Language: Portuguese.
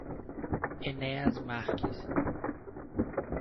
Enéas Marques